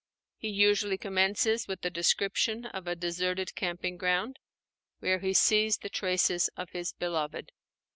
He usually commences with the description of a deserted camping ground, where he sees the traces of his beloved.